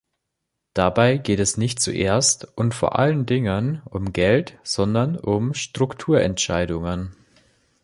Dabei geht es nicht zuerst und vor allen Dingen um Geld, sondern um Strukturentscheidungen.